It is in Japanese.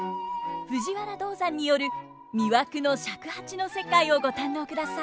藤原道山による魅惑の尺八の世界をご堪能ください！